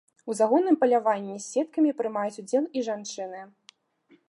У загонным паляванні з сеткамі прымаюць удзел і жанчыны.